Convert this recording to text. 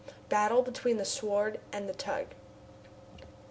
BATTLE BETWEEN THE "SWORD" AND THE TUG.